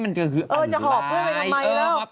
เออจะหอบเพื่อนไปทำไมแล้ว